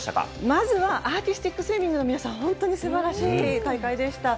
まずはアーティスティックスイミングの皆さん、本当にすばらしい大会でした。